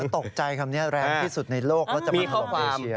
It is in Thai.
ตกใจคำนี้แรงที่สุดในโลกแล้วจะมาถล่มเอเชีย